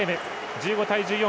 １５対１４